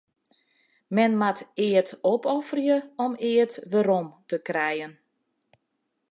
Men moat eat opofferje om eat werom te krijen.